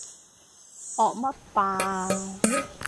惡乜霸啊？